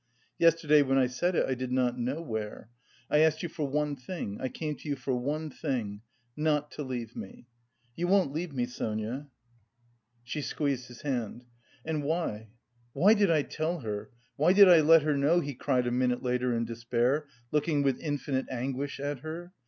Yesterday when I said it I did not know where. I asked you for one thing, I came to you for one thing not to leave me. You won't leave me, Sonia?" She squeezed his hand. "And why, why did I tell her? Why did I let her know?" he cried a minute later in despair, looking with infinite anguish at her.